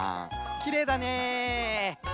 きれいだね。